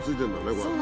こうやって。